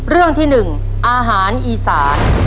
เรื่องที่๑อาหารอีสาน